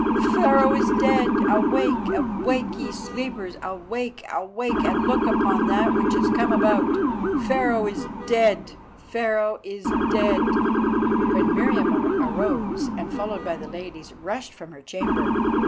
"Pharaoh is dead! Awake! Awake, ye sleepers! Awake! awake! and look upon that which has come about. Pharaoh is dead! Pharaoh is dead!" Then Meriamun arose, and followed by the ladies, rushed from her chamber.